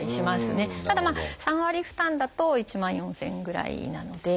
ただ３割負担だと１万４，０００円ぐらいなので。